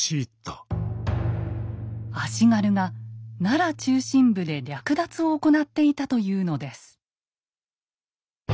足軽が奈良中心部で略奪を行っていたというのです。